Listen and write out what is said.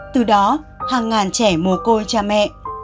từ đó hàng ngàn trẻ mùa côi cha mẹ